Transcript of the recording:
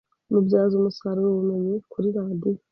Mubyaze umusaruro ubumenyi buri kuri radio,